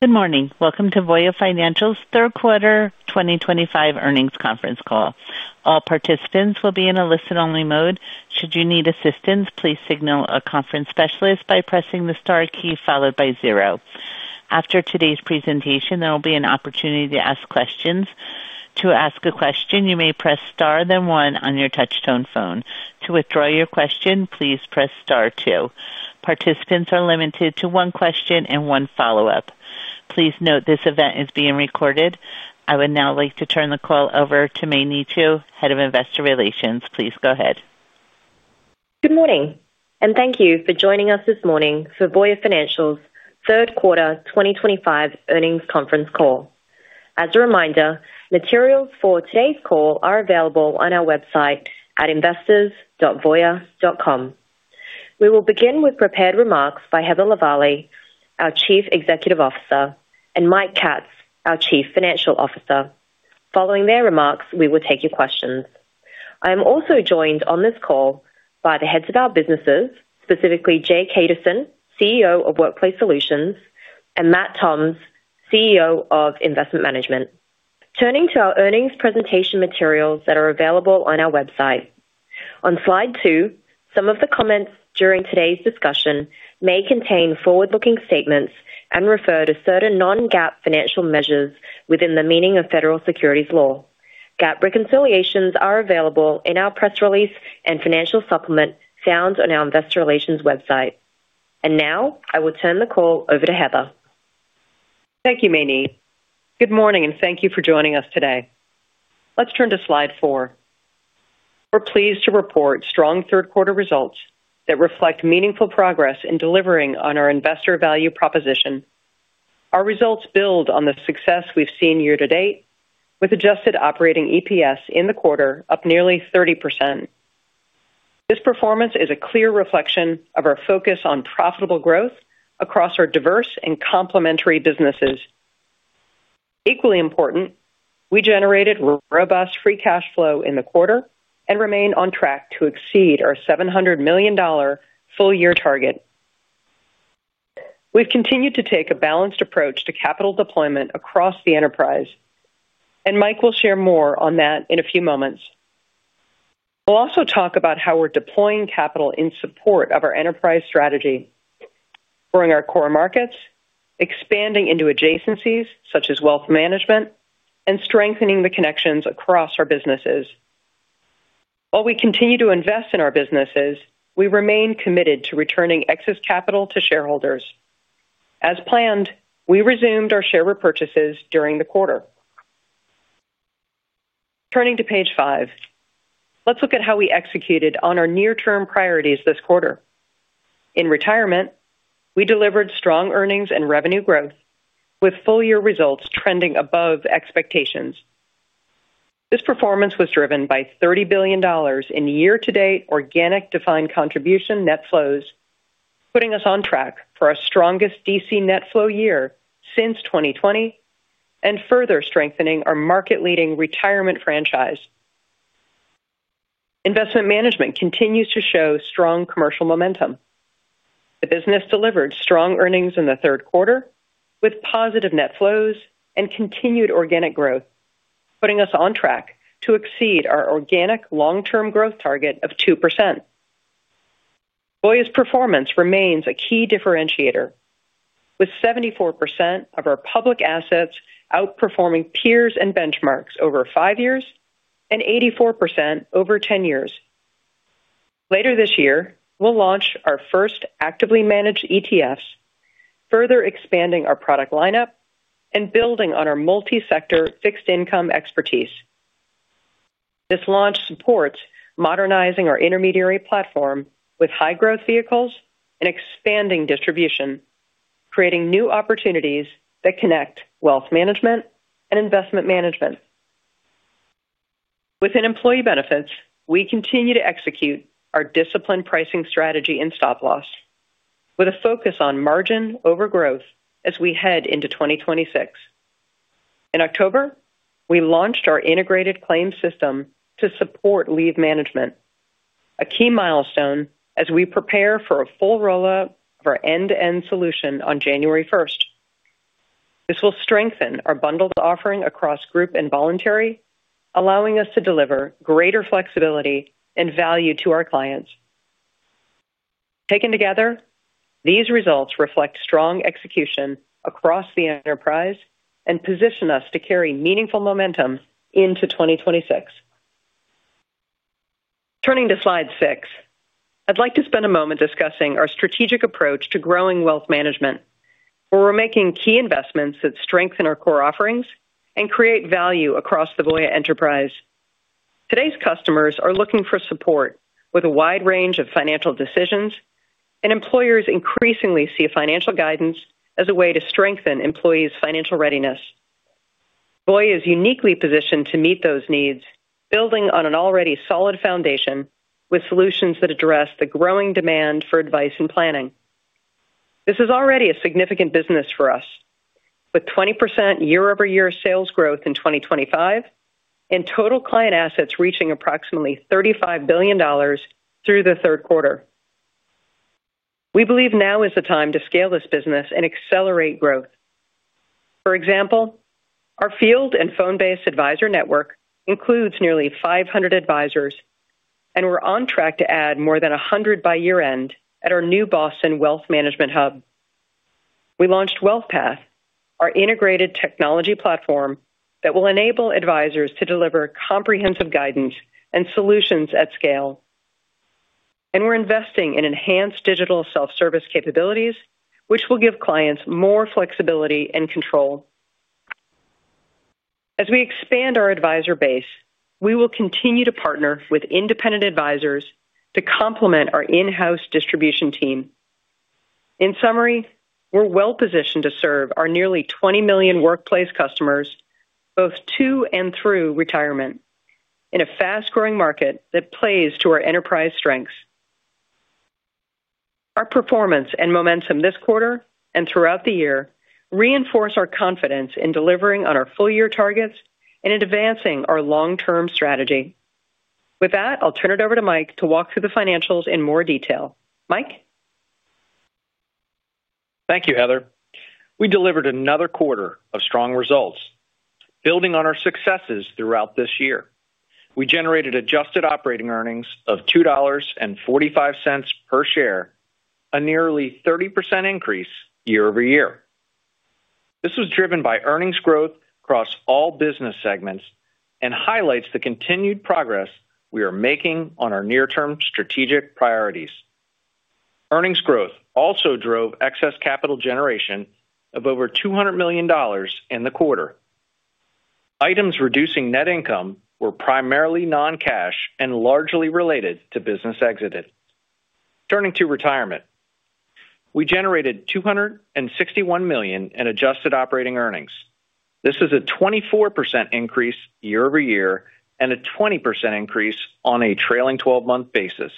Good morning. Welcome to Voya Financial's third quarter 2025 earnings conference call. All participants will be in a listen-only mode. Should you need assistance, please signal a conference specialist by pressing the star key followed by zero. After today's presentation, there will be an opportunity to ask questions. To ask a question, you may press star then one on your touchtone phone. To withdraw your question, please press star two. Participants are limited to one question and one follow-up. Please note this event is being recorded. I would now like to turn the call over to Mei Ni Chu, Head of Investor Relations. Please go ahead. Good morning, and thank you for joining us this morning for Voya Financial's third quarter 2025 earnings conference call. As a reminder, materials for today's call are available on our website at investors.voya.com. We will begin with prepared remarks by Heather Lavallee, our Chief Executive Officer, and Mike Katz, our Chief Financial Officer. Following their remarks, we will take your questions. I am also joined on this call by the heads of our businesses, specifically Jay Kaduson, CEO of Workplace Solutions, and Matt Toms, CEO of Investment Management. Turning to our earnings presentation materials that are available on our website. On slide two, some of the comments during today's discussion may contain forward-looking statements and refer to certain non-GAAP financial measures within the meaning of federal securities law. GAAP reconciliations are available in our press release and financial supplement found on our investor relations website. I will turn the call over to Heather. Thank you, Mei Ni. Good morning, and thank you for joining us today. Let's turn to slide four. We're pleased to report strong third quarter results that reflect meaningful progress in delivering on our investor value proposition. Our results build on the success we've seen year to date, with adjusted operating EPS in the quarter up nearly 30%. This performance is a clear reflection of our focus on profitable growth across our diverse and complementary businesses. Equally important, we generated robust free cash flow in the quarter and remain on track to exceed our $700 million full year target. We've continued to take a balanced approach to capital deployment across the enterprise, and Mike will share more on that in a few moments. We'll also talk about how we're deploying capital in support of our enterprise strategy, growing our core markets, expanding into adjacencies such as Wealth Management, and strengthening the connections across our businesses. While we continue to invest in our businesses, we remain committed to returning excess capital to shareholders. As planned, we resumed our share repurchases during the quarter. Turning to page five, let's look at how we executed on our near-term priorities this quarter. In retirement, we delivered strong earnings and revenue growth, with full year results trending above expectations. This performance was driven by $30 billion in year-to-date organic defined contribution net flows, putting us on track for our strongest DC net flow year since 2020 and further strengthening our market-leading retirement franchise. Investment Management continues to show strong commercial momentum. The business delivered strong earnings in the third quarter with positive net flows and continued organic growth, putting us on track to exceed our organic long-term growth target of 2%. Voya's performance remains a key differentiator, with 74% of our public assets outperforming peers and benchmarks over five years and 84% over 10 years. Later this year, we'll launch our first actively managed ETFs, further expanding our product lineup and building on our multi-sector fixed income expertise. This launch supports modernizing our intermediary platform with high-growth vehicles and expanding distribution, creating new opportunities that connect Wealth Management and Investment Management. Within employee benefits, we continue to execute our disciplined pricing strategy and stop loss, with a focus on margin over growth as we head into 2026. In October, we launched our integrated claims system to support leave management. A key milestone as we prepare for a full rollout of our end-to-end solution on January 1st. This will strengthen our bundled offering across group and voluntary, allowing us to deliver greater flexibility and value to our clients. Taken together, these results reflect strong execution across the enterprise and position us to carry meaningful momentum into 2026. Turning to slide six, I'd like to spend a moment discussing our strategic approach to growing Wealth Management. Where we're making key investments that strengthen our core offerings and create value across the Voya enterprise. Today's customers are looking for support with a wide range of financial decisions, and employers increasingly see financial guidance as a way to strengthen employees' financial readiness. Voya is uniquely positioned to meet those needs, building on an already solid foundation with solutions that address the growing demand for advice and planning. This is already a significant business for us, with 20% year-over-year sales growth in 2025, and total client assets reaching approximately $35 billion through the third quarter. We believe now is the time to scale this business and accelerate growth. For example, our field and phone-based advisor network includes nearly 500 advisors, and we're on track to add more than 100 by year-end at our new Boston Wealth Management hub. We launched WealthPath, our integrated technology platform that will enable advisors to deliver comprehensive guidance and solutions at scale. We're investing in enhanced digital self-service capabilities, which will give clients more flexibility and control. As we expand our advisor base, we will continue to partner with independent advisors to complement our in-house distribution team. In summary, we're well positioned to serve our nearly 20 million workplace customers both to and through retirement in a fast-growing market that plays to our enterprise strengths. Our performance and momentum this quarter and throughout the year reinforce our confidence in delivering on our full year targets and advancing our long-term strategy. With that, I'll turn it over to Mike to walk through the financials in more detail. Mike. Thank you, Heather. We delivered another quarter of strong results, building on our successes throughout this year. We generated adjusted operating earnings of $2.45 per share, a nearly 30% increase year-over-year. This was driven by earnings growth across all business segments and highlights the continued progress we are making on our near-term strategic priorities. Earnings growth also drove excess capital generation of over $200 million in the quarter. Items reducing net income were primarily non-cash and largely related to business exited. Turning to retirement. We generated $261 million in adjusted operating earnings. This is a 24% increase year-over-year and a 20% increase on a trailing 12-month basis.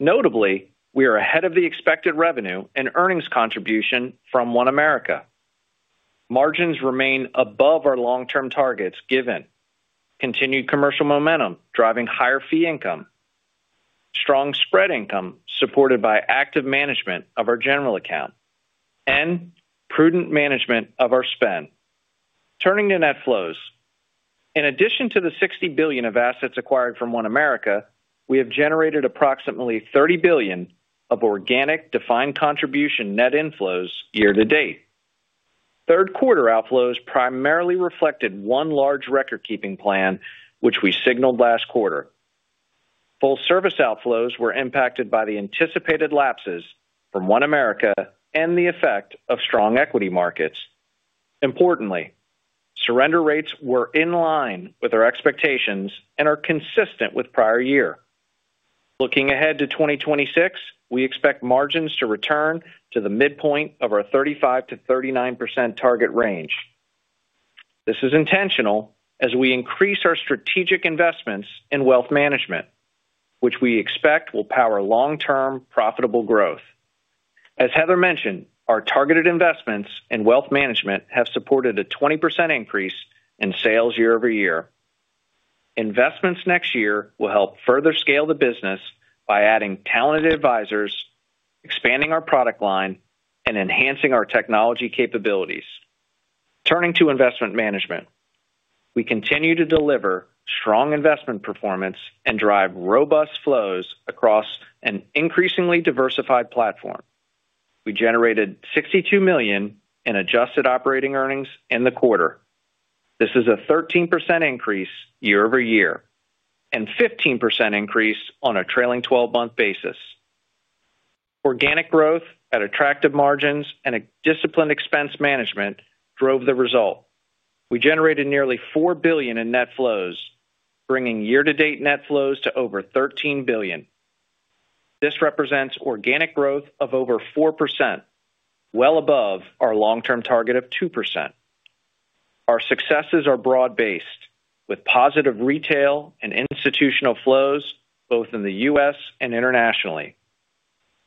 Notably, we are ahead of the expected revenue and earnings contribution from OneAmerica. Margins remain above our long-term targets given continued commercial momentum driving higher fee income. Strong spread income supported by active management of our general account. Prudent management of our spend. Turning to net flows. In addition to the $60 billion of assets acquired from OneAmerica, we have generated approximately $30 billion of organic defined contribution net inflows year-to-date. Third quarter outflows primarily reflected one large record-keeping plan, which we signaled last quarter. Full service outflows were impacted by the anticipated lapses from OneAmerica and the effect of strong equity markets. Importantly, surrender rates were in line with our expectations and are consistent with prior year. Looking ahead to 2026, we expect margins to return to the midpoint of our 35%-39% target range. This is intentional as we increase our strategic investments in Wealth Management, which we expect will power long-term profitable growth. As Heather mentioned, our targeted investments in Wealth Management have supported a 20% increase in sales year-over-year. Investments next year will help further scale the business by adding talented advisors, expanding our product line, and enhancing our technology capabilities. Turning to Investment Management. We continue to deliver strong investment performance and drive robust flows across an increasingly diversified platform. We generated $62 million in adjusted operating earnings in the quarter. This is a 13% increase year-over-year and a 15% increase on a trailing 12-month basis. Organic growth at attractive margins and disciplined expense management drove the result. We generated nearly $4 billion in net flows, bringing year-to-date net flows to over $13 billion. This represents organic growth of over 4%, well above our long-term target of 2%. Our successes are broad-based, with positive retail and institutional flows both in the U.S. and internationally.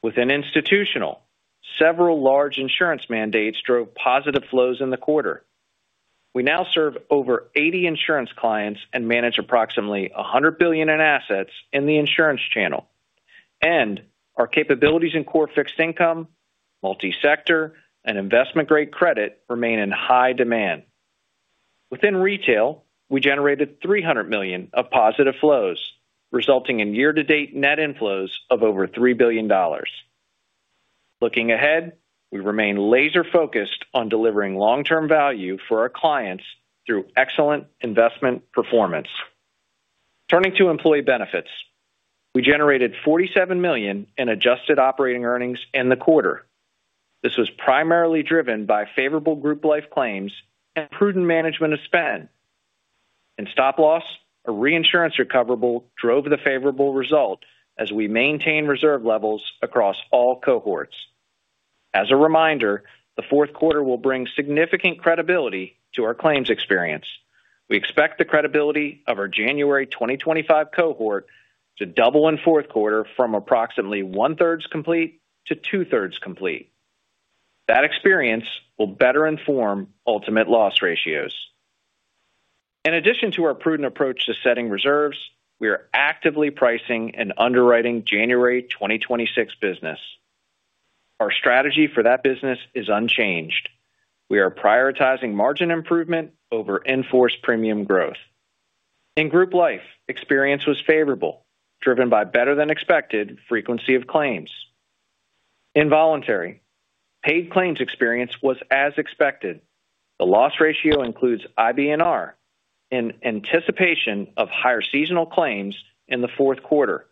Within institutional, several large insurance mandates drove positive flows in the quarter. We now serve over 80 insurance clients and manage approximately $100 billion in assets in the insurance channel. Our capabilities in core fixed income, multi-sector, and investment-grade credit remain in high demand. Within retail, we generated $300 million of positive flows, resulting in year-to-date net inflows of over $3 billion. Looking ahead, we remain laser-focused on delivering long-term value for our clients through excellent investment performance. Turning to employee benefits, we generated $47 million in adjusted operating earnings in the quarter. This was primarily driven by favorable group life claims and prudent management of spend. Stop loss, a reinsurance recoverable, drove the favorable result as we maintain reserve levels across all cohorts. As a reminder, the fourth quarter will bring significant credibility to our claims experience. We expect the credibility of our January 2025 cohort to double in fourth quarter from approximately one-third complete to two-thirds complete. That experience will better inform ultimate loss ratios. In addition to our prudent approach to setting reserves, we are actively pricing and underwriting January 2026 business. Our strategy for that business is unchanged. We are prioritizing margin improvement over enforced premium growth. In group life, experience was favorable, driven by better-than-expected frequency of claims. In voluntary, paid claims experience was as expected. The loss ratio includes IBNR in anticipation of higher seasonal claims in the fourth quarter,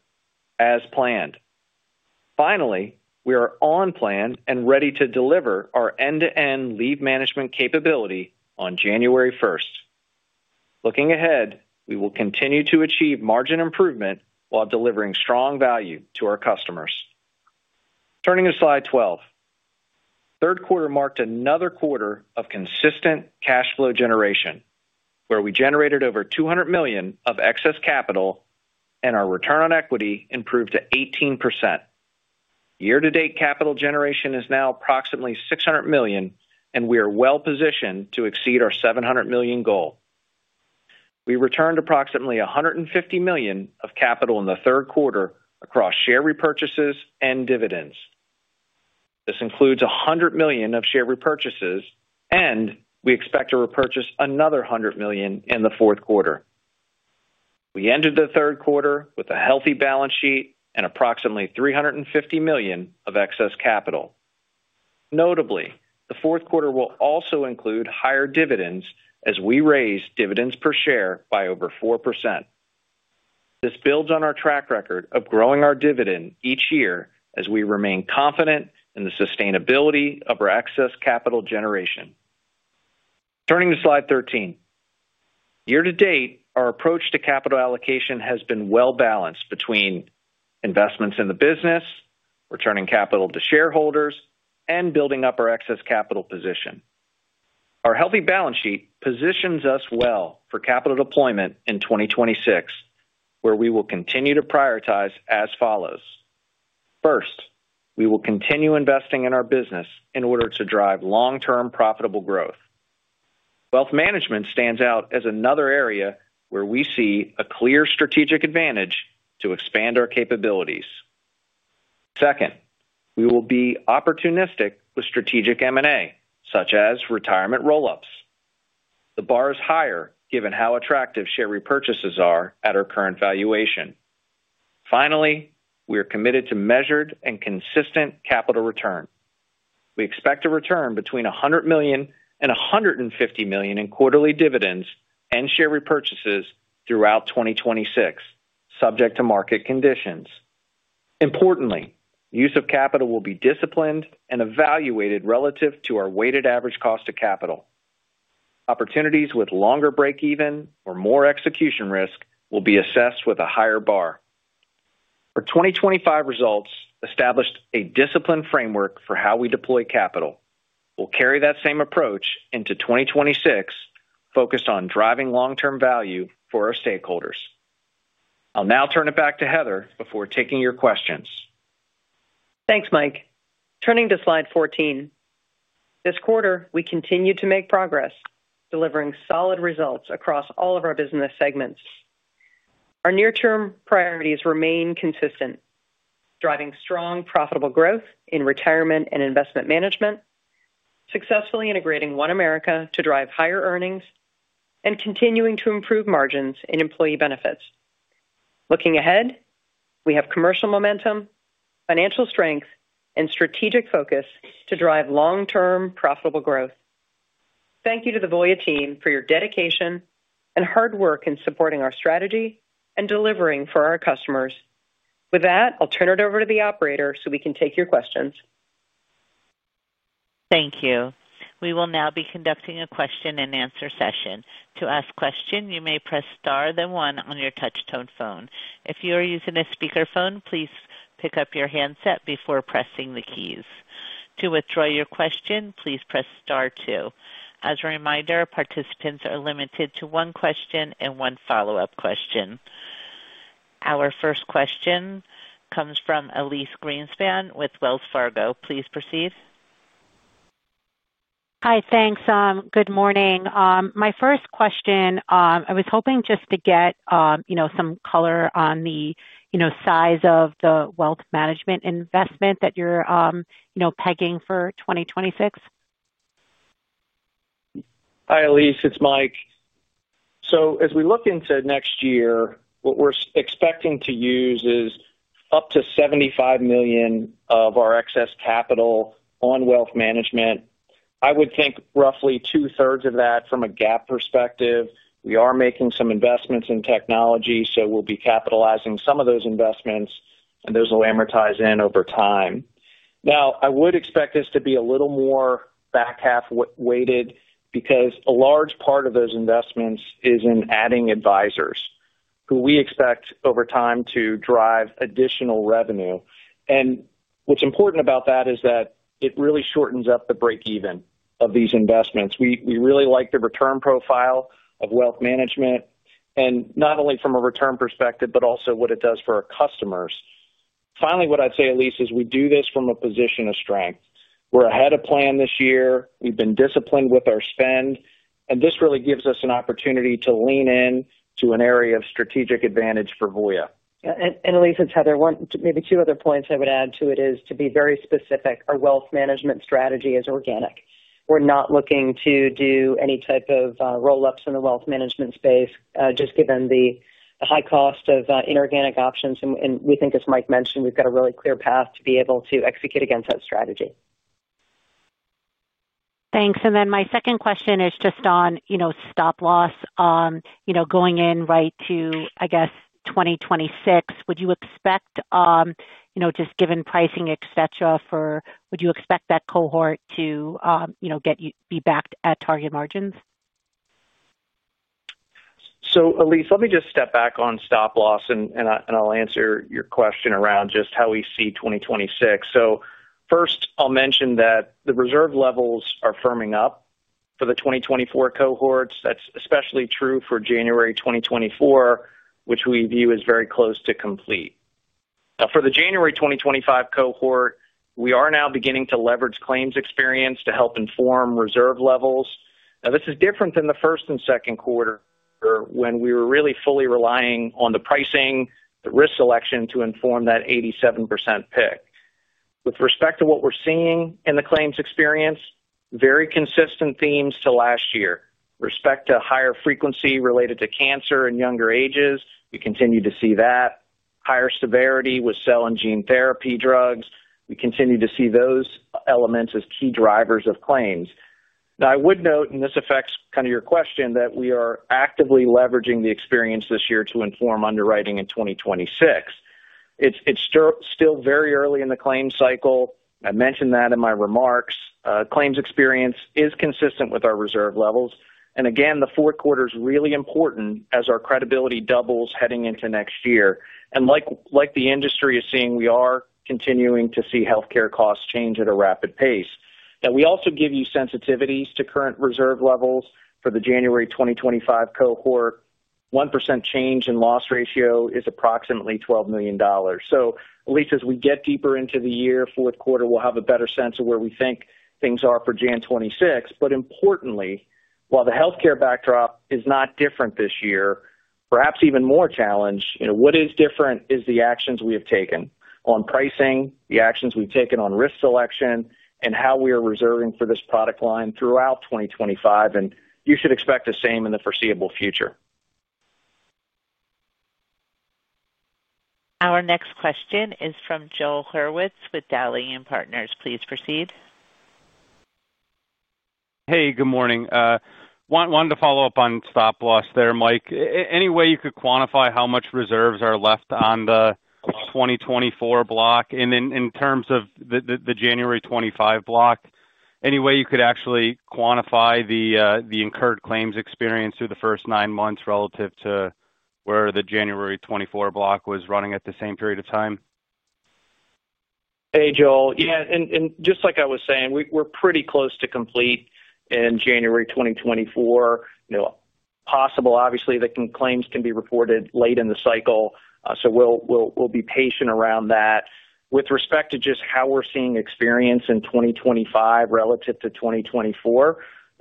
as planned. Finally, we are on plan and ready to deliver our end-to-end leave management capability on January 1st. Looking ahead, we will continue to achieve margin improvement while delivering strong value to our customers. Turning to slide 12. Third quarter marked another quarter of consistent cash flow generation, where we generated over $200 million of excess capital, and our return on equity improved to 18%. Year-to-date capital generation is now approximately $600 million, and we are well positioned to exceed our $700 million goal. We returned approximately $150 million of capital in the third quarter across share repurchases and dividends. This includes $100 million of share repurchases, and we expect to repurchase another $100 million in the fourth quarter. We ended the third quarter with a healthy balance sheet and approximately $350 million of excess capital. Notably, the fourth quarter will also include higher dividends as we raise dividends per share by over 4%. This builds on our track record of growing our dividend each year as we remain confident in the sustainability of our excess capital generation. Turning to slide 13. Year-to-date, our approach to capital allocation has been well balanced between investments in the business, returning capital to shareholders, and building up our excess capital position. Our healthy balance sheet positions us well for capital deployment in 2026, where we will continue to prioritize as follows. First, we will continue investing in our business in order to drive long-term profitable growth. Wealth Management stands out as another area where we see a clear strategic advantage to expand our capabilities. Second, we will be opportunistic with strategic M&A, such as retirement roll-ups. The bar is higher given how attractive share repurchases are at our current valuation. Finally, we are committed to measured and consistent capital return. We expect a return between $100 million and $150 million in quarterly dividends and share repurchases throughout 2026, subject to market conditions. Importantly, use of capital will be disciplined and evaluated relative to our weighted average cost of capital. Opportunities with longer break-even or more execution risk will be assessed with a higher bar. Our 2025 results established a disciplined framework for how we deploy capital. We'll carry that same approach into 2026, focused on driving long-term value for our stakeholders. I'll now turn it back to Heather before taking your questions. Thanks, Mike. Turning to slide 14. This quarter, we continue to make progress, delivering solid results across all of our business segments. Our near-term priorities remain consistent, driving strong profitable growth in retirement and Investment Management. Successfully integrating OneAmerica to drive higher earnings, and continuing to improve margins and employee benefits. Looking ahead, we have commercial momentum, financial strength, and strategic focus to drive long-term profitable growth. Thank you to the Voya team for your dedication and hard work in supporting our strategy and delivering for our customers. With that, I'll turn it over to the operator so we can take your questions. Thank you. We will now be conducting a question-and-answer session. To ask a question, you may press star then one on your touch-tone phone. If you are using a speakerphone, please pick up your handset before pressing the keys. To withdraw your question, please press star two. As a reminder, participants are limited to one question and one follow-up question. Our first question comes from Elyse Greenspan with Wells Fargo. Please proceed. Hi, thanks. Good morning. My first question, I was hoping just to get some color on the size of the Wealth Management investment that you're pegging for 2026. Hi, Elyse. It's Mike. As we look into next year, what we're expecting to use is up to $75 million of our excess capital on Wealth Management. I would think roughly two-thirds of that from a GAAP perspective. We are making some investments in technology, so we'll be capitalizing some of those investments, and those will amortize in over time. I would expect this to be a little more back half-weighted because a large part of those investments is in adding advisors, who we expect over time to drive additional revenue. What's important about that is that it really shortens up the break-even of these investments. We really like the return profile of Wealth Management, and not only from a return perspective, but also what it does for our customers. Finally, what I'd say, Elyse, is we do this from a position of strength. We're ahead of plan this year. We've been disciplined with our spend, and this really gives us an opportunity to lean into an area of strategic advantage for Voya. Elyse and Heather, maybe two other points I would add to it is to be very specific. Our Wealth Management strategy is organic. We're not looking to do any type of roll-ups in the Wealth Management space, just given the high cost of inorganic options. We think, as Mike mentioned, we've got a really clear path to be able to execute against that strategy. Thanks. My second question is just on stop loss. Going in right to, I guess, 2026, would you expect, just given pricing, et cetera, would you expect that cohort to be back at target margins? Elyse, let me just step back on stop loss, and I'll answer your question around just how we see 2026. First, I'll mention that the reserve levels are firming up for the 2024 cohorts. That's especially true for January 2024, which we view as very close to complete. Now, for the January 2025 cohort, we are now beginning to leverage claims experience to help inform reserve levels. This is different than the first and second quarter, when we were really fully relying on the pricing, the risk selection to inform that 87% pick. With respect to what we're seeing in the claims experience, very consistent themes to last year. With respect to higher frequency related to cancer and younger ages, we continue to see that. Higher severity with cell and gene therapy drugs. We continue to see those elements as key drivers of claims. Now, I would note, and this affects kind of your question, that we are actively leveraging the experience this year to inform underwriting in 2026. It is still very early in the claim cycle. I mentioned that in my remarks. Claims experience is consistent with our reserve levels. Again, the fourth quarter is really important as our credibility doubles heading into next year. Like the industry is seeing, we are continuing to see healthcare costs change at a rapid pace. We also give you sensitivities to current reserve levels for the January 2025 cohort. A 1% change in loss ratio is approximately $12 million. Elyse, as we get deeper into the year, fourth quarter, we will have a better sense of where we think things are for January 2026. Importantly, while the healthcare backdrop is not different this year, perhaps even more challenged, what is different is the actions we have taken on pricing, the actions we have taken on risk selection, and how we are reserving for this product line throughout 2025. You should expect the same in the foreseeable future. Our next question is from Joel Hurwitz with Dowling and Partners. Please proceed. Hey, good morning. Wanted to follow-up on stop loss there, Mike. Any way you could quantify how much reserves are left on the 2024 block? In terms of the January 2025 block, any way you could actually quantify the incurred claims experience through the first nine months relative to where the January 2024 block was running at the same period of time? Hey, Joel. Yeah. Just like I was saying, we're pretty close to complete in January 2024. Possible, obviously, that claims can be reported late in the cycle. We will be patient around that. With respect to just how we're seeing experience in 2025 relative to 2024,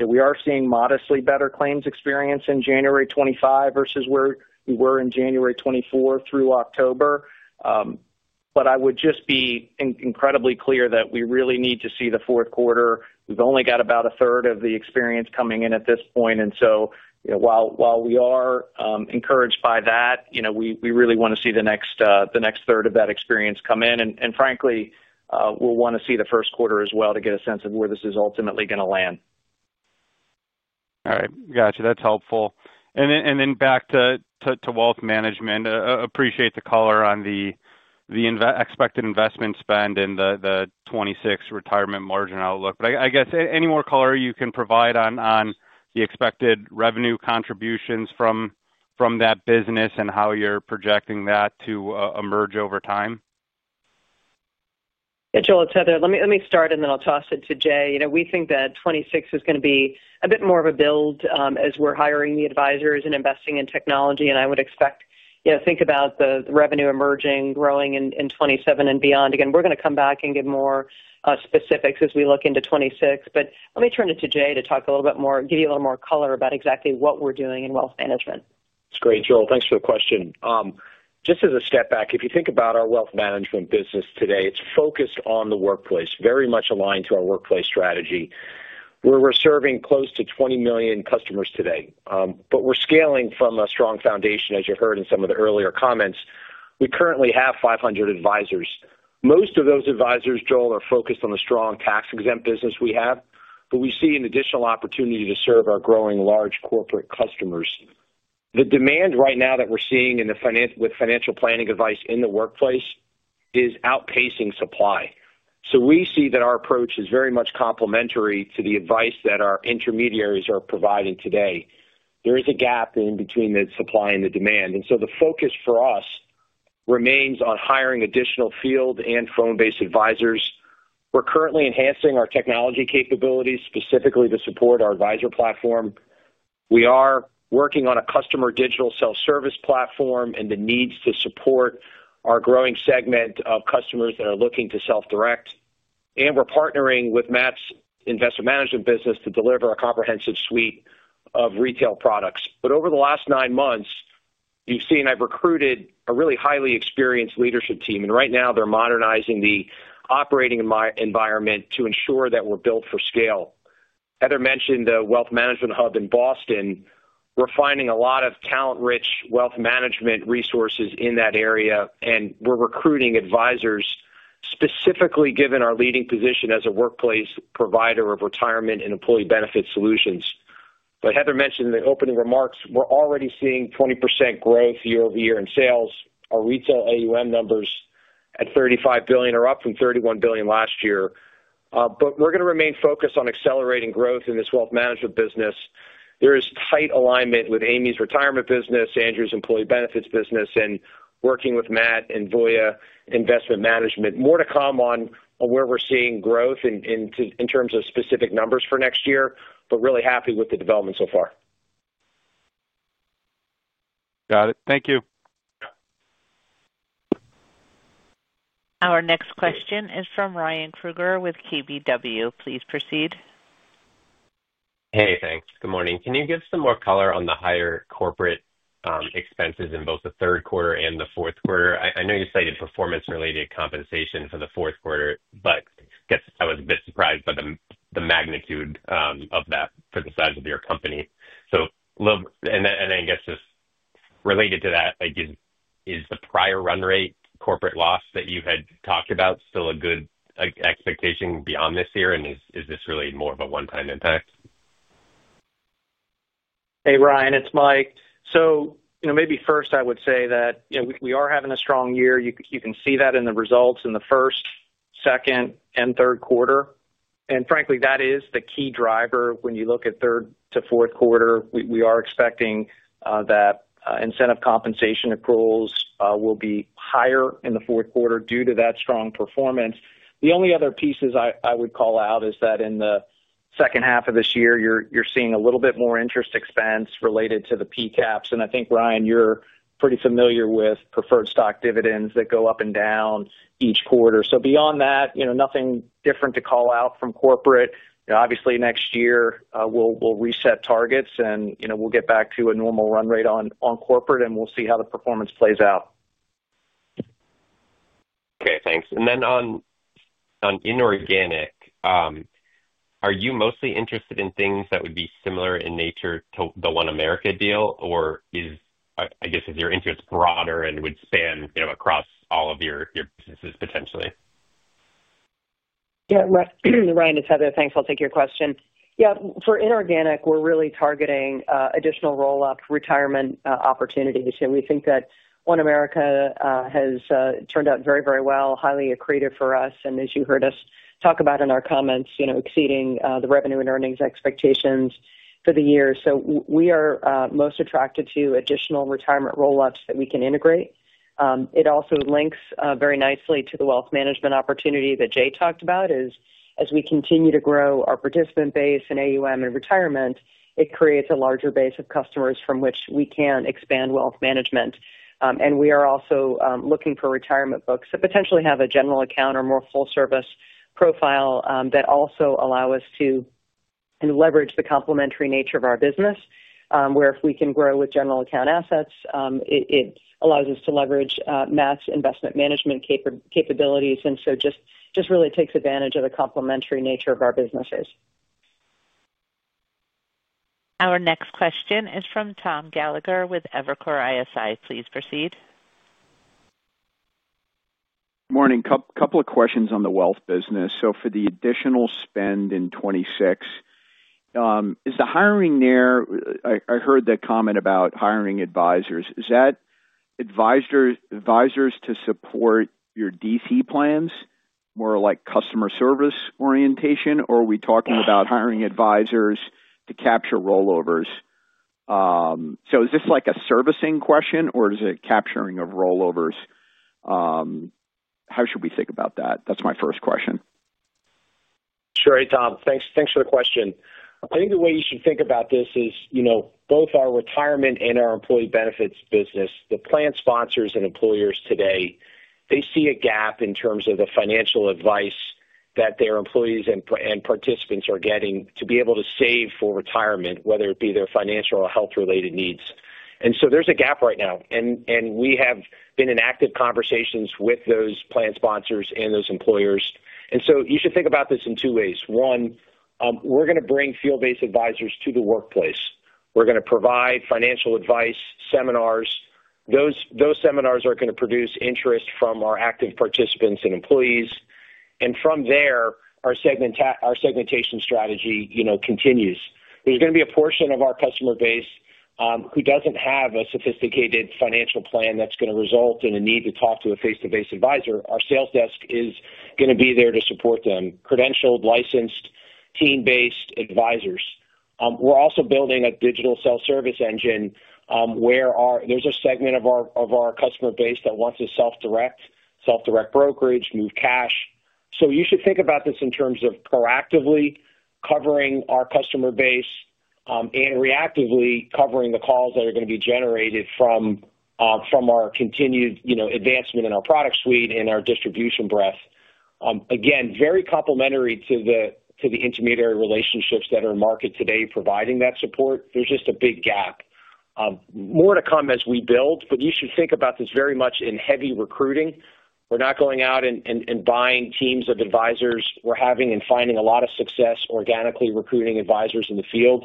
we are seeing modestly better claims experience in January 2025 versus where we were in January 2024 through October. I would just be incredibly clear that we really need to see the fourth quarter. We've only got about a third of the experience coming in at this point. While we are encouraged by that, we really want to see the next third of that experience come in. And frankly, we will want to see the first quarter as well to get a sense of where this is ultimately going to land. All right. Gotcha. That's helpful. Then back to Wealth Management, appreciate the color on the expected investment spend and the 2026 retirement margin outlook. I guess any more color you can provide on the expected revenue contributions from that business and how you're projecting that to emerge over time? Yeah, Joel, it's Heather. Let me start, and then I'll toss it to Jay. We think that 2026 is going to be a bit more of a build as we're hiring the advisors and investing in technology. I would expect, think about the revenue emerging, growing in 2027 and beyond. Again, we're going to come back and get more specifics as we look into 2026. Let me turn it to Jay to talk a little bit more, give you a little more color about exactly what we're doing in Wealth Management. It's great, Joel. Thanks for the question. Just as a step back, if you think about our Wealth Management business today, it's focused on the workplace, very much aligned to our workplace strategy, where we're serving close to 20 million customers today. We are scaling from a strong foundation, as you heard in some of the earlier comments. We currently have 500 advisors. Most of those advisors, Joel, are focused on the strong tax-exempt business we have, but we see an additional opportunity to serve our growing large corporate customers. The demand right now that we're seeing with financial planning advice in the workplace is outpacing supply. We see that our approach is very much complementary to the advice that our intermediaries are providing today. There is a gap in between the supply and the demand. The focus for us. Remains on hiring additional field and phone-based advisors. We're currently enhancing our technology capabilities specifically to support our advisor platform. We are working on a customer digital self-service platform and the needs to support our growing segment of customers that are looking to self-direct. We're partnering with Matt's Investment Management business to deliver a comprehensive suite of retail products. Over the last nine months, you've seen I've recruited a really highly experienced leadership team. Right now, they're modernizing the operating environment to ensure that we're built for scale. Heather mentioned the Wealth Management hub in Boston. We're finding a lot of talent-rich Wealth Management resources in that area. We're recruiting advisors, specifically given our leading position as a workplace provider of retirement and employee benefit solutions. Heather mentioned in the opening remarks, we're already seeing 20% growth year-over year- in sales. Our retail AUM numbers at $35 billion are up from $31 billion last year. We're going to remain focused on accelerating growth in this Wealth Management business. There is tight alignment with Amy's retirement business, Andrew's employee benefits business, and working with Matt and Voya Investment Management. More to come on where we're seeing growth in terms of specific numbers for next year, but really happy with the development so far. Got it. Thank you. Our next question is from Ryan Krueger with KBW. Please proceed. Hey, thanks. Good morning. Can you give some more color on the higher corporate expenses in both the third quarter and the fourth quarter? I know you cited performance-related compensation for the fourth quarter, but I was a bit surprised by the magnitude of that for the size of your company. I guess just related to that, is the prior run rate corporate loss that you had talked about still a good expectation beyond this year? Is this really more of a one-time impact? Hey, Ryan, it's Mike. Maybe first, I would say that we are having a strong year. You can see that in the results in the first, second, and third quarter. And frankly, that is the key driver when you look at third to fourth quarter. We are expecting that incentive compensation accruals will be higher in the fourth quarter due to that strong performance. The only other pieces I would call out is that in the second half of this year, you're seeing a little bit more interest expense related to the PCAPs. I think, Ryan, you're pretty familiar with preferred stock dividends that go up and down each quarter. Beyond that, nothing different to call out from corporate. Obviously, next year, we'll reset targets, and we'll get back to a normal run rate on corporate, and we'll see how the performance plays out. Okay. Thanks. Then on inorganic, are you mostly interested in things that would be similar in nature to the OneAmerica deal? Or I guess your interest is broader and would span across all of your businesses potentially? Yeah. Ryan and Heather, thanks. I'll take your question. For inorganic, we're really targeting additional roll-up retirement opportunities. We think that OneAmerica has turned out very, very well, highly accretive for us. As you heard us talk about in our comments, exceeding the revenue and earnings expectations for the year. We are most attracted to additional retirement roll-ups that we can integrate. It also links very nicely to the Wealth Management opportunity that Jay talked about. As we continue to grow our participant base in AUM and retirement, it creates a larger base of customers from which we can expand Wealth Management. We are also looking for retirement books that potentially have a general account or more full-service profile that also allow us to leverage the complementary nature of our business. Where if we can grow with general account assets, it allows us to leverage Matt's Investment Management capabilities. It just really takes advantage of the complementary nature of our businesses. Our next question is from Tom Gallagher with Evercore ISI. Please proceed. Morning. A couple of questions on the Wealth business. For the additional spend in 2026, is the hiring there—I heard that comment about hiring advisors—is that advisors to support your DC plans, more like customer service orientation? Or are we talking about hiring advisors to capture rollovers? Is this a servicing question, or is it capturing of rollovers? How should we think about that? That's my first question. Sure, Tom. Thanks for the question. I think the way you should think about this is both our retirement and our employee benefits business, the plan sponsors and employers today, they see a gap in terms of the financial advice that their employees and participants are getting to be able to save for retirement, whether it be their financial or health-related needs. There is a gap right now. We have been in active conversations with those plan sponsors and those employers. You should think about this in two ways. One, we are going to bring field-based advisors to the workplace. We are going to provide financial advice, seminars. Those seminars are going to produce interest from our active participants and employees. From there, our segmentation strategy continues. There's going to be a portion of our customer base who doesn't have a sophisticated financial plan that's going to result in a need to talk to a face-to-face advisor. Our sales desk is going to be there to support them, credentialed, licensed, team-based advisors. We're also building a digital self-service engine where there's a segment of our customer base that wants to self-direct, self-direct brokerage, move cash. You should think about this in terms of proactively covering our customer base and reactively covering the calls that are going to be generated from our continued advancement in our product suite and our distribution breadth. Again, very complementary to the intermediary relationships that are in market today providing that support. There's just a big gap. More to come as we build, but you should think about this very much in heavy recruiting. We're not going out and buying teams of advisors. We're having and finding a lot of success organically recruiting advisors in the field.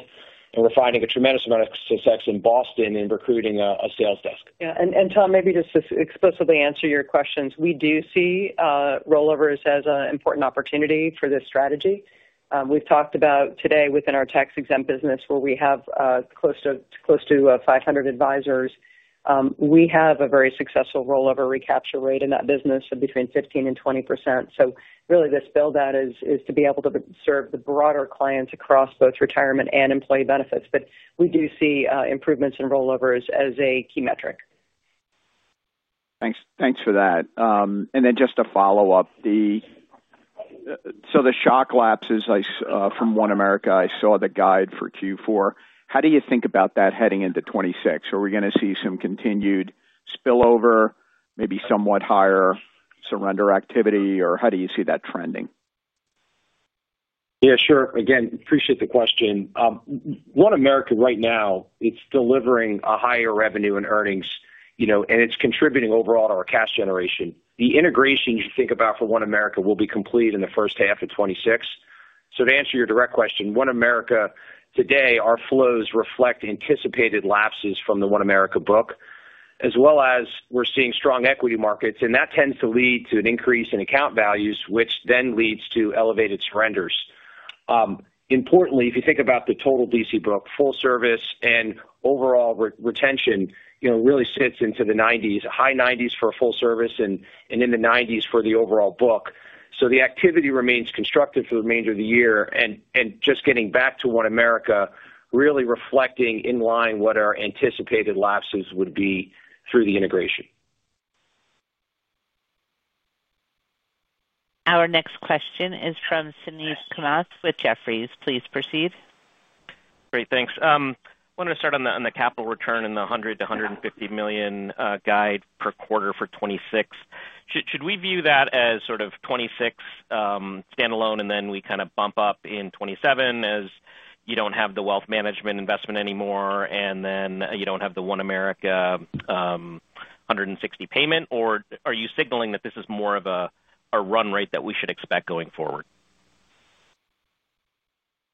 We're finding a tremendous amount of success in Boston in recruiting a sales desk. Yeah. Tom, maybe just to explicitly answer your questions, we do see rollovers as an important opportunity for this strategy. We've talked about today within our tax-exempt business, where we have close to 500 advisors. We have a very successful rollover recapture rate in that business of between 15%-20%. Really, this build-out is to be able to serve the broader clients across both retirement and employee benefits. We do see improvements in rollovers as a key metric. Thanks for that. Just to follow-up. The shock lapses from OneAmerica, I saw the guide for Q4. How do you think about that heading into 2026? Are we going to see some continued spillover, maybe somewhat higher surrender activity, or how do you see that trending? Yeah, sure. Again, appreciate the question. OneAmerica right now, it's delivering a higher revenue and earnings, and it's contributing overall to our cash generation. The integration you think about for OneAmerica will be complete in the first half of 2026. To answer your direct question, OneAmerica today, our flows reflect anticipated lapses from the OneAmerica book, as well as we're seeing strong equity markets. That tends to lead to an increase in account values, which then leads to elevated surrenders. Importantly, if you think about the total DC book, full service and overall retention really sits into the 90s, high 90s for full service and in the 90s for the overall book. The activity remains constructive for the remainder of the year. Just getting back to OneAmerica, really reflecting in line what our anticipated lapses would be through the integration. Our next question is from Suneet Kamath with Jefferies. Please proceed. Great. Thanks. I wanted to start on the capital return and the $100 million-$150 million guide per quarter for 2026. Should we view that as sort of 2026 standalone, and then we kind of bump up in 2027 as you do not have the Wealth Management investment anymore, and then you do not have the OneAmerica $160 million payment? Or are you signaling that this is more of a run rate that we should expect going forward?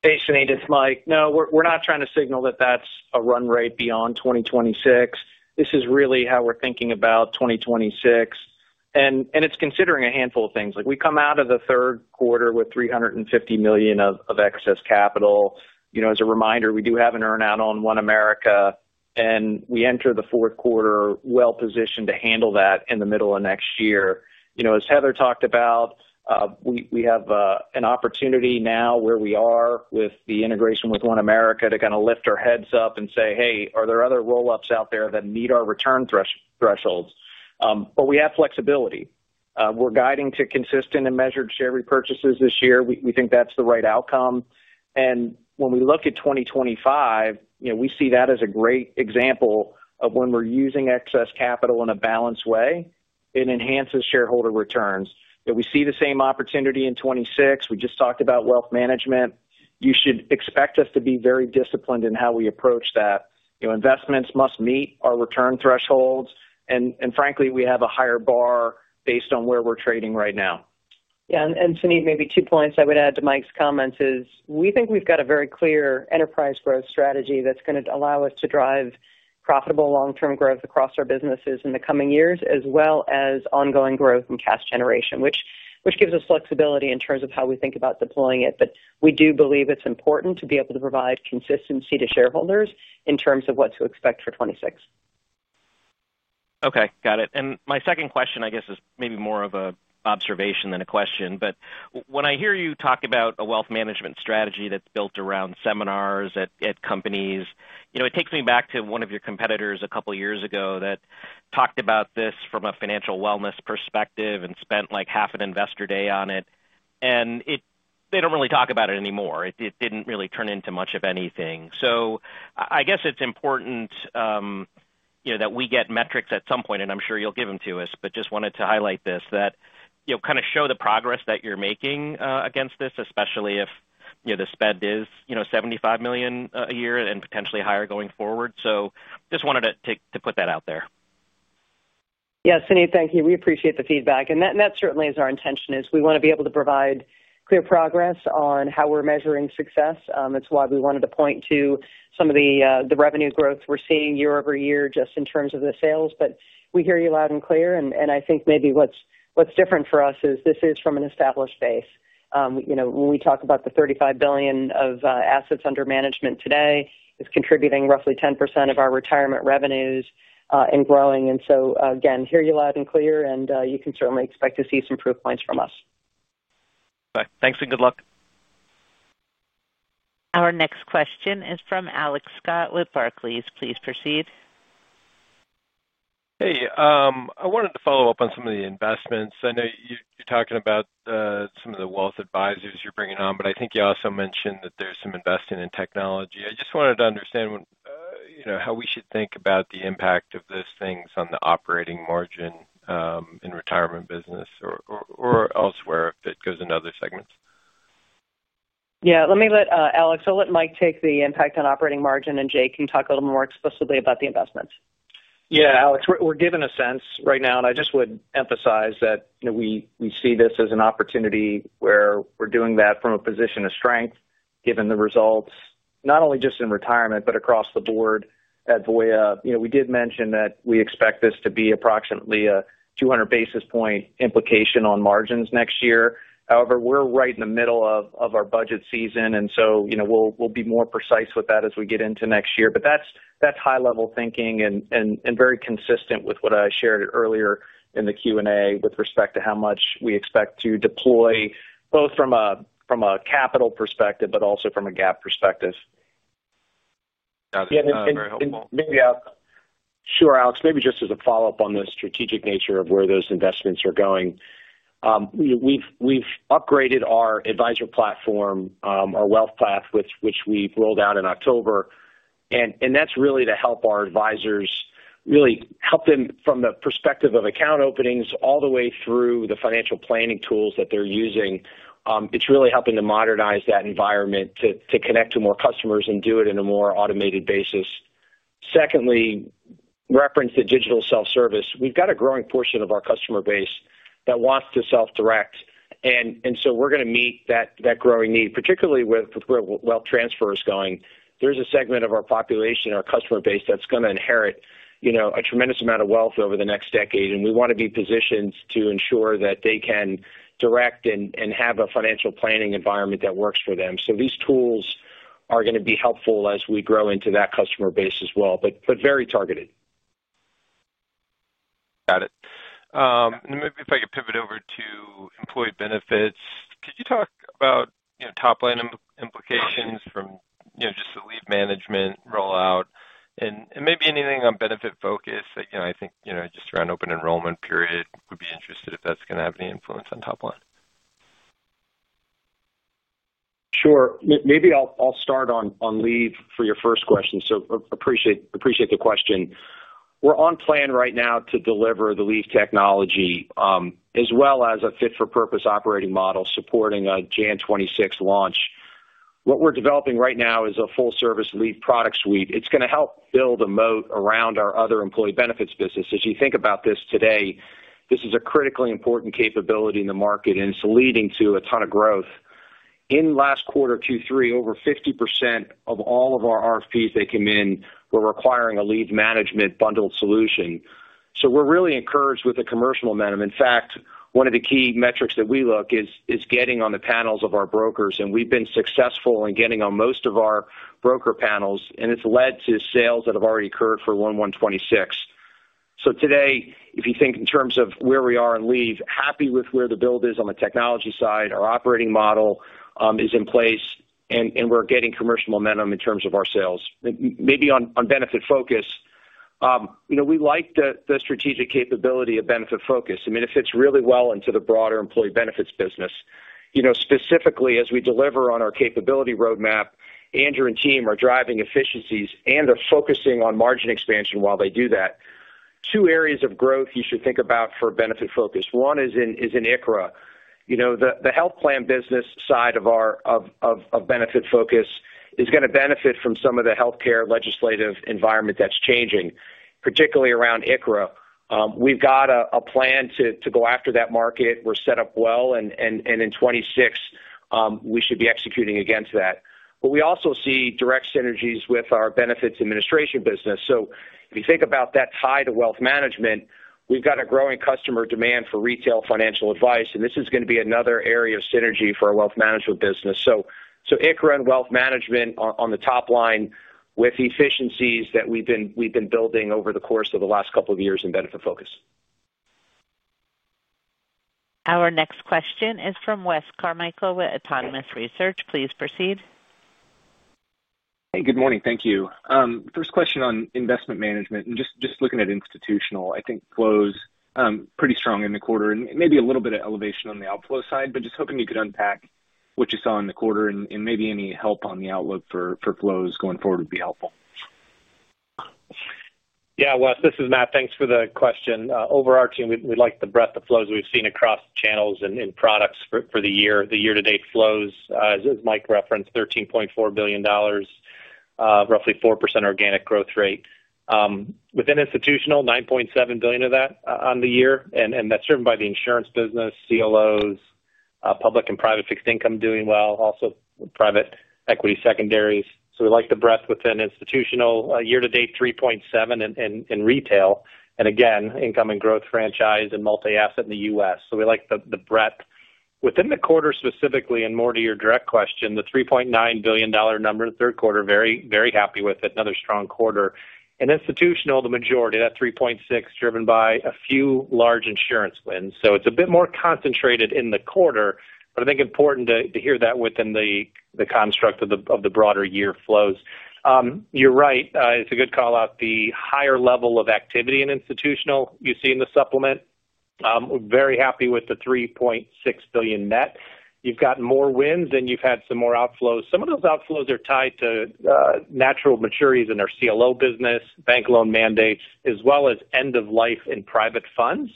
Hey, Suneet, it's Mike. No, we're not trying to signal that that's a run rate beyond 2026. This is really how we're thinking about 2026. And it's considering a handful of things. We come out of the third quarter with $350 million of excess capital. As a reminder, we do have an earn-out on OneAmerica. And we enter the fourth quarter well-positioned to handle that in the middle of next year. As Heather talked about. We have an opportunity now where we are with the integration with OneAmerica to kind of lift our heads up and say, "Hey, are there other roll-ups out there that meet our return thresholds?" But we have flexibility. We're guiding to consistent and measured share repurchases this year. We think that's the right outcome. When we look at 2025, we see that as a great example of when we're using excess capital in a balanced way, it enhances shareholder returns. We see the same opportunity in 2026. We just talked about Wealth Management. You should expect us to be very disciplined in how we approach that. Investments must meet our return thresholds. And frankly, we have a higher bar based on where we're trading right now. Yeah. Suneet, maybe two points I would add to Mike's comments is we think we've got a very clear enterprise growth strategy that's going to allow us to drive profitable long-term growth across our businesses in the coming years, as well as ongoing growth and cash generation, which gives us flexibility in terms of how we think about deploying it. We do believe it's important to be able to provide consistency to shareholders in terms of what to expect for 2026. Okay. Got it. My second question, I guess, is maybe more of an observation than a question. When I hear you talk about a Wealth Management strategy that's built around seminars at companies, it takes me back to one of your competitors a couple of years ago that talked about this from a financial wellness perspective and spent like half an investor day on it. They do not really talk about it anymore. It did not really turn into much of anything. I guess it is important that we get metrics at some point, and I am sure you will give them to us, but just wanted to highlight this, that kind of show the progress that you are making against this, especially if the spend is $75 million a year and potentially higher going forward. Just wanted to put that out there. Yeah. Suneet, thank you. We appreciate the feedback. That certainly is our intention, is we want to be able to provide clear progress on how we're measuring success. That's why we wanted to point to some of the revenue growth we're seeing year-over-year just in terms of the sales. We hear you loud and clear. I think maybe what's different for us is this is from an established base. When we talk about the $35 billion of assets under management today, it's contributing roughly 10% of our retirement revenues and growing. Again, hear you loud and clear, and you can certainly expect to see some proof points from us. Okay. Thanks and good luck. Our next question is from Alex Scott with Barclays. Please proceed. Hey. I wanted to follow-up on some of the investments. I know you're talking about some of the wealth advisors you're bringing on, but I think you also mentioned that there's some investing in technology. I just wanted to understand. How we should think about the impact of those things on the operating margin in retirement business or elsewhere if it goes into other segments. Yeah. Alex, I'll let Mike take the impact on operating margin, and Jay can talk a little more explicitly about the investments. Yeah. Alex, we're given a sense right now, and I just would emphasize that we see this as an opportunity where we're doing that from a position of strength, given the results, not only just in retirement, but across the board at Voya. We did mention that we expect this to be approximately a 200 basis point implication on margins next year. However, we're right in the middle of our budget season, and we will be more precise with that as we get into next year. That is high-level thinking and very consistent with what I shared earlier in the Q&A with respect to how much we expect to deploy, both from a capital perspective but also from a GAAP perspective. Got it. That's very helpful. Sure, Alex. Maybe just as a follow-up on the strategic nature of where those investments are going. We've upgraded our advisor platform, our WealthPath, which we've rolled out in October. That's really to help our advisors, really help them from the perspective of account openings all the way through the financial planning tools that they're using. It's really helping to modernize that environment to connect to more customers and do it in a more automated basis. Secondly, reference the digital self-service. We've got a growing portion of our customer base that wants to self-direct. We're going to meet that growing need, particularly with where wealth transfer is going. There's a segment of our population, our customer base, that's going to inherit a tremendous amount of wealth over the next decade. We want to be positioned to ensure that they can direct and have a financial planning environment that works for them. These tools are going to be helpful as we grow into that customer base as well, but very targeted. Got it. Maybe if I could pivot over to employee benefits, could you talk about top-line implications from just the leave management rollout and maybe anything on Benefitfocus that I think just around open enrollment period would be interested if that's going to have any influence on top-line? Sure. Maybe I'll start on leave for your first question. Appreciate the question. We're on plan right now to deliver the leave technology as well as a fit-for-purpose operating model supporting a Jan. 2026 launch. What we're developing right now is a full-service leave product suite. It's going to help build a moat around our other employee benefits business. As you think about this today, this is a critically important capability in the market, and it's leading to a ton of growth. In last quarter 2023, over 50% of all of our RFPs that came in were requiring a leave management bundled solution. We're really encouraged with a commercial amendment. In fact, one of the key metrics that we look at is getting on the panels of our brokers. We have been successful in getting on most of our broker panels, and it has led to sales that have already occurred for 1/1/ 2026. Today, if you think in terms of where we are in leave, happy with where the build is on the technology side, our operating model is in place, and we are getting commercial momentum in terms of our sales. Maybe on Benefitfocus, we like the strategic capability of Benefitfocus. I mean, it fits really well into the broader employee benefits business. Specifically, as we deliver on our capability roadmap, Andrew and team are driving efficiencies and are focusing on margin expansion while they do that. Two areas of growth you should think about for Benefitfocus. One is in ICHRA. The health plan business side of Benefitfocus is going to benefit from some of the healthcare legislative environment that is changing, particularly around ICHRA. We've got a plan to go after that market. We're set up well. In 2026, we should be executing against that. We also see direct synergies with our benefits administration business. If you think about that tie to Wealth Management, we've got a growing customer demand for retail financial advice. This is going to be another area of synergy for our Wealth Management business. ICHRA and Wealth Management on the top line with efficiencies that we've been building over the course of the last couple of years in Benefitfocus. Our next question is from Wes Carmichael with Autonomous Research. Please proceed. Hey, good morning. Thank you. First question on Investment Management. Just looking at institutional, I think flows pretty strong in the quarter and maybe a little bit of elevation on the outflow side, but just hoping you could unpack what you saw in the quarter and maybe any help on the outlook for flows going forward would be helpful. Yeah. Wes, this is Matt. Thanks for the question. Overarching, we like the breadth of flows we've seen across channels and products for the year. The year-to-date flows, as Mike referenced, $13.4 billion. Roughly 4% organic growth rate. Within institutional, $9.7 billion of that on the year. And that's driven by the insurance business, CLOs, public and private fixed income doing well, also private equity secondaries. We like the breadth within institutional. Year-to-date, $3.7 billion in retail. Again, incoming growth franchise and multi-asset in the U.S. We like the breadth. Within the quarter specifically, and more to your direct question, the $3.9 billion number in the third quarter, very happy with it. Another strong quarter. In institutional, the majority, that $3.6 billion, driven by a few large insurance wins. It is a bit more concentrated in the quarter, but I think important to hear that within the construct of the broader year flows. You're right. It's a good call out. The higher level of activity in institutional you see in the supplement. Very happy with the $3.6 billion net. You've gotten more wins and you've had some more outflows. Some of those outflows are tied to natural maturities in our CLO business, bank loan mandates, as well as end-of-life in private funds.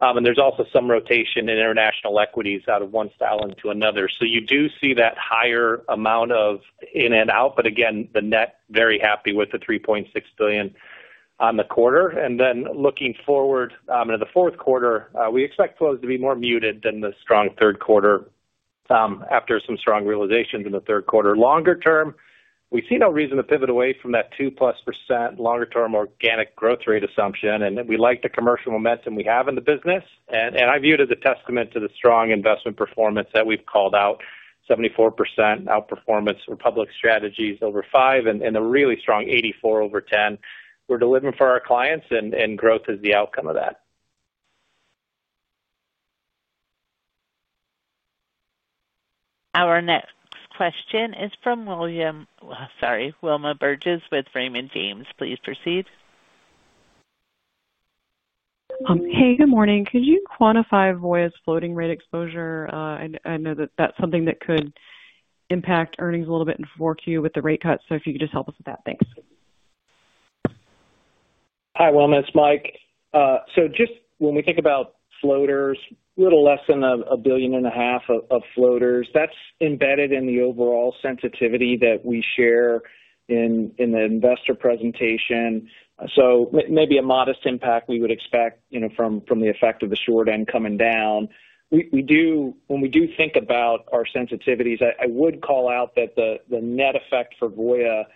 There is also some rotation in international equities out of one style into another. You do see that higher amount of in and out. Again, the net, very happy with the $3.6 billion on the quarter. Looking forward to the fourth quarter, we expect flows to be more muted than the strong third quarter after some strong realizations in the third quarter. Longer-term, we see no reason to pivot away from that 2%+ longer-term organic growth rate assumption. We like the commercial momentum we have in the business. I view it as a testament to the strong investment performance that we've called out, 74% outperformance for public strategies over five and a really strong 84% over 10. We're delivering for our clients, and growth is the outcome of that. Our next question is from Wilma Burgess with Raymond James. Please proceed. Hey, good morning. Could you quantify Voya's floating rate exposure? I know that that's something that could impact earnings a little bit in Q4 with the rate cut. If you could just help us with that, thanks. Hi, Wilma. It's Mike. So just when we think about floaters, a little less than $1.5 billion of floaters, that's embedded in the overall sensitivity that we share in the investor presentation. Maybe a modest impact we would expect from the effect of the short end coming down. When we do think about our sensitivities, I would call out that the net effect for Voya is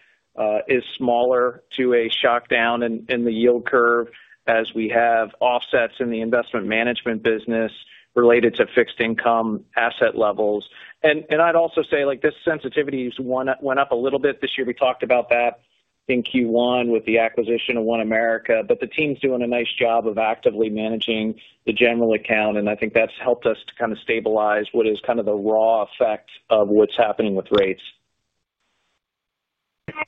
smaller to a shock down in the yield curve as we have offsets in the Investment Management business related to fixed income asset levels. I'd also say this sensitivity went up a little bit this year. We talked about that in Q1 with the acquisition of OneAmerica. The team's doing a nice job of actively managing the general account. I think that's helped us to kind of stabilize what is kind of the raw effect of what's happening with rates. Okay.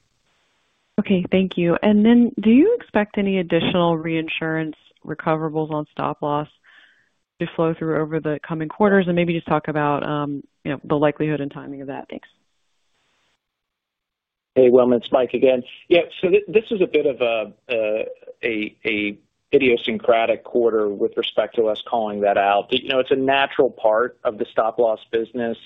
Thank you. Do you expect any additional reinsurance recoverables on stop loss to flow through over the coming quarters? Maybe just talk about the likelihood and timing of that. Thanks. Hey, Wilma. It's Mike again. Yeah. This was a bit of an idiosyncratic quarter with respect to us calling that out. It's a natural part of the stop loss business.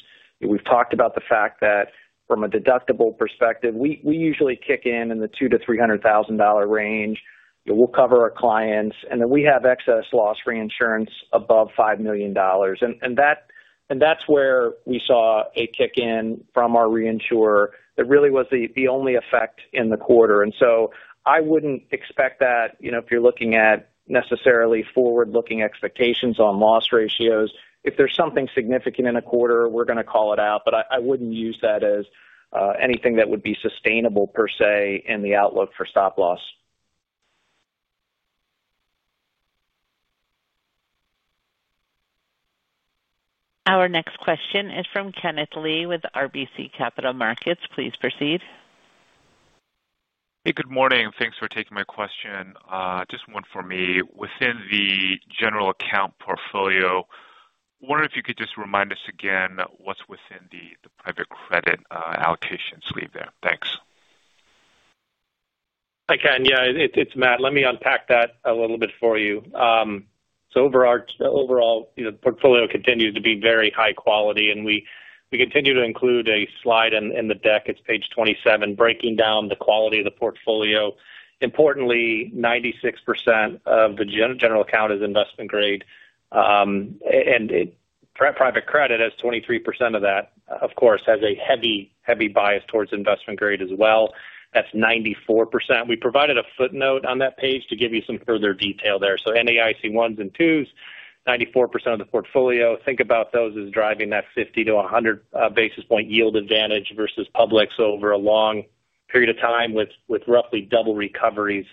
We've talked about the fact that from a deductible perspective, we usually kick in in the $200,000-$300,000 range. We'll cover our clients, and then we have excess loss reinsurance above $5 million. That's where we saw a kick-in from our reinsurer. It really was the only effect in the quarter. I wouldn't expect that if you're looking at necessarily forward-looking expectations on loss ratios. If there's something significant in a quarter, we're going to call it out. I wouldn't use that as anything that would be sustainable per se in the outlook for stop loss. Our next question is from Kenneth Lee with RBC Capital Markets. Please proceed. Hey, good morning. Thanks for taking my question. Just one for me. Within the general account portfolio, wonder if you could just remind us again what's within the private credit allocations leave there. Thanks. Again, yeah, it's Matt. Let me unpack that a little bit for you. Overall, the portfolio continues to be very high quality. We continue to include a slide in the deck. It's page 27, breaking down the quality of the portfolio. Importantly, 96% of the general account is investment grade. Private credit has 23% of that. Of course, it has a heavy bias towards investment grade as well. That's 94%. We provided a footnote on that page to give you some further detail there. NAIC 1s and 2s, 94% of the portfolio. Think about those as driving that 50-100 basis point yield advantage versus public over a long period of time with roughly double recoveries,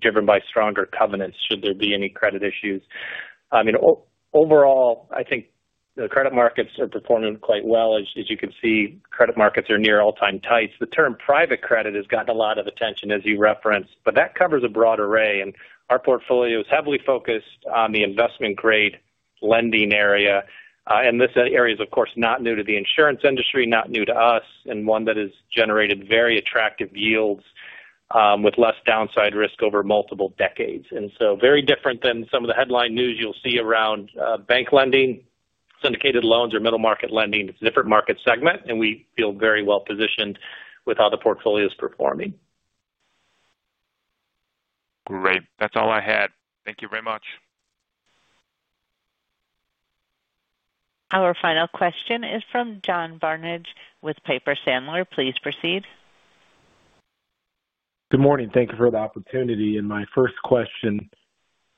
driven by stronger covenants should there be any credit issues. Overall, I think the credit markets are performing quite well. As you can see, credit markets are near all-time tights. The term private credit has gotten a lot of attention, as you referenced. That covers a broad array. Our portfolio is heavily focused on the investment grade lending area. This area is, of course, not new to the insurance industry, not new to us, and one that has generated very attractive yields with less downside risk over multiple decades. It is very different than some of the headline news you will see around bank lending, syndicated loans, or middle market lending. It is a different market segment. We feel very well positioned with how the portfolio is performing. Great. That's all I had. Thank you very much. Our final question is from John Barnidge with Piper Sandler. Please proceed. Good morning. Thank you for the opportunity. My first question,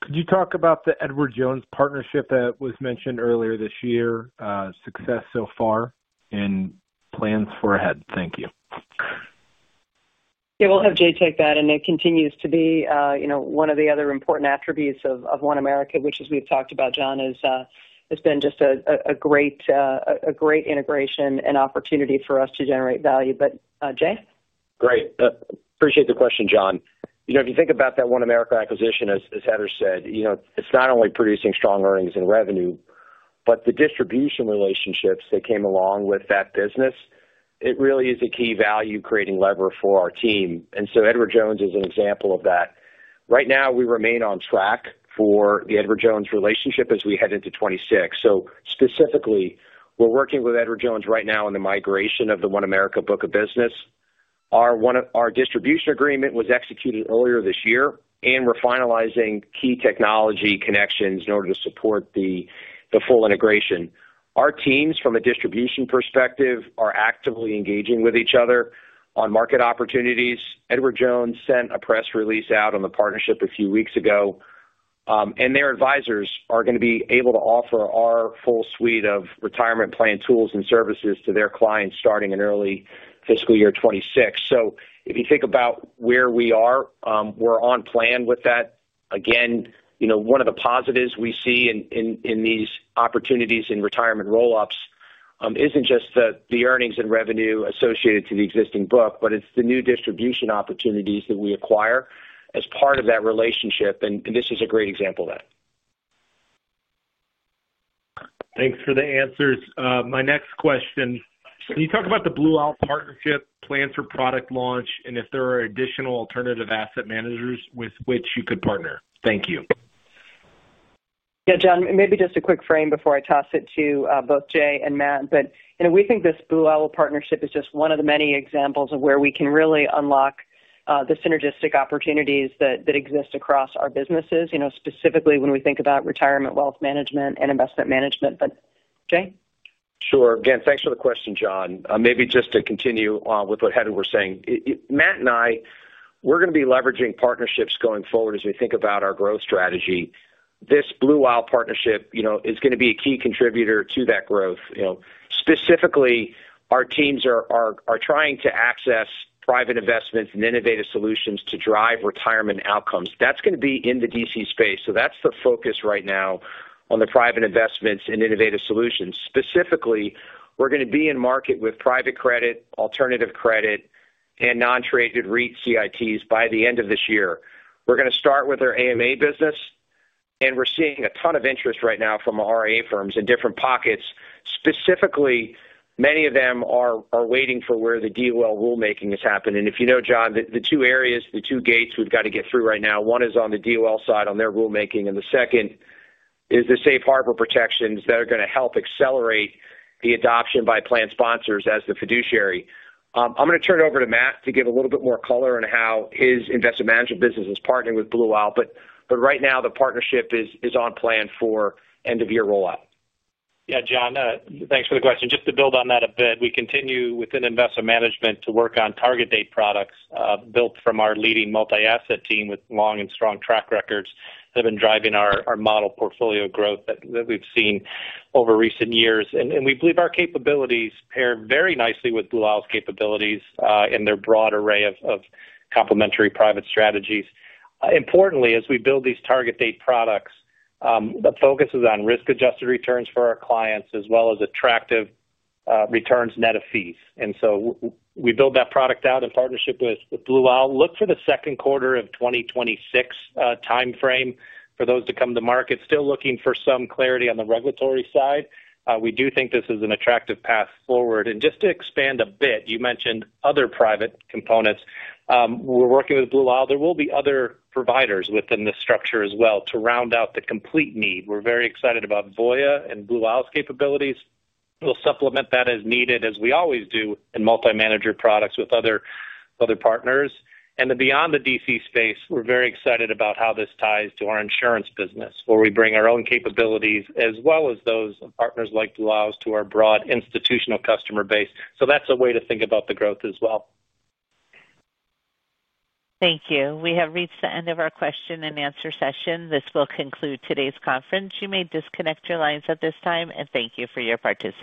could you talk about the Edward Jones partnership that was mentioned earlier this year, success so far, and plans for ahead? Thank you. Yeah, we'll have Jay take that. It continues to be one of the other important attributes of OneAmerica, which, as we've talked about, John, has been just a great integration and opportunity for us to generate value. Jay? Great. Appreciate the question, John. If you think about that OneAmerica acquisition, as Heather said, it is not only producing strong earnings and revenue, but the distribution relationships that came along with that business. It really is a key value-creating lever for our team. Edward Jones is an example of that. Right now, we remain on track for the Edward Jones relationship as we head into 2026. Specifically, we are working with Edward Jones right now on the migration of the OneAmerica book of business. Our distribution agreement was executed earlier this year, and we are finalizing key technology connections in order to support the full integration. Our teams, from a distribution perspective, are actively engaging with each other on market opportunities. Edward Jones sent a press release out on the partnership a few weeks ago. Their advisors are going to be able to offer our full suite of retirement plan tools and services to their clients starting in early fiscal year 2026. If you think about where we are, we're on plan with that. Again, one of the positives we see in these opportunities in retirement roll-ups is not just the earnings and revenue associated to the existing book, but the new distribution opportunities that we acquire as part of that relationship. This is a great example of that. Thanks for the answers. My next question, can you talk about the Blue Owl partnership, plans for product launch, and if there are additional alternative asset managers with which you could partner? Thank you. Yeah, John, maybe just a quick frame before I toss it to both Jay and Matt. We think this Blue Owl partnership is just one of the many examples of where we can really unlock the synergistic opportunities that exist across our businesses, specifically when we think about retirement, Wealth Management, and Investment Management. Jay? Sure. Again, thanks for the question, John. Maybe just to continue with what Heather was saying, Matt and I, we're going to be leveraging partnerships going forward as we think about our growth strategy. This Blue Owl partnership is going to be a key contributor to that growth. Specifically, our teams are trying to access private investments and innovative solutions to drive retirement outcomes. That is going to be in the DC space. That is the focus right now on the private investments and innovative solutions. Specifically, we're going to be in market with private credit, alternative credit, and non-traded REIT CITs by the end of this year. We're going to start with our AMA business. We're seeing a ton of interest right now from our RIA firms in different pockets. Specifically, many of them are waiting for where the DOL rulemaking is happening. If you know, John, the two areas, the two gates we have to get through right now, one is on the DOL side on their rulemaking, and the second is the safe harbor protections that are going to help accelerate the adoption by plan sponsors as the fiduciary. I am going to turn it over to Matt to give a little bit more color on how his Investment Management business is partnering with Blue Owl. Right now, the partnership is on plan for end-of-year rollout. Yeah, John, thanks for the question. Just to build on that a bit, we continue within Investment Management to work on target date products built from our leading multi-asset team with long and strong track records that have been driving our model portfolio growth that we have seen over recent years. We believe our capabilities pair very nicely with Blue Owl's capabilities and their broad array of complementary private strategies. Importantly, as we build these target date products, the focus is on risk-adjusted returns for our clients, as well as attractive returns net of fees. We build that product out in partnership with Blue Owl. Look for the second quarter of 2026 timeframe for those to come to market. Still looking for some clarity on the regulatory side. We do think this is an attractive path forward. Just to expand a bit, you mentioned other private components. We are working with Blue Owl. There will be other providers within this structure as well to round out the complete need. We are very excited about Voya and Blue Owl's capabilities. We will supplement that as needed, as we always do in multi-manager products with other partners. Beyond the DC space, we're very excited about how this ties to our insurance business, where we bring our own capabilities, as well as those of partners like Blue Owl's to our broad institutional customer base. That is a way to think about the growth as well. Thank you. We have reached the end of our question and answer session. This will conclude today's conference. You may disconnect your lines at this time. Thank you for your participation.